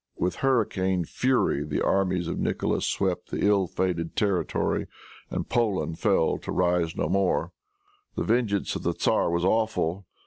With hurricane fury the armies of Nicholas swept the ill fated territory, and Poland fell to rise no more. The vengeance of the tzar was awful.